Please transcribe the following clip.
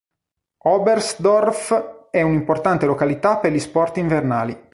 Oberstdorf è un'importante località per gli sport invernali.